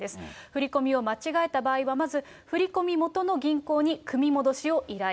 振り込みを間違えた場合は、まず振り込み元の銀行に組み戻しを依頼。